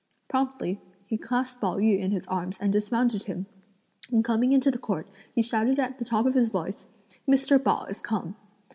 Promptly, he clasped Pao yü in his arms and dismounted him, and coming into the court, he shouted out at the top of his voice: "Mr. Pao has come."